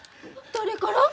誰から？